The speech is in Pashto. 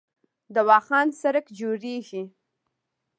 د واخان سړک جوړیږي